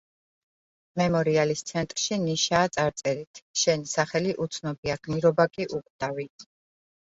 მემორიალის ცენტრში ნიშაა წარწერით „შენი სახელი უცნობია, გმირობა კი უკვდავი“.